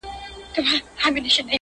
لوستونکي پرې ژور فکر کوي تل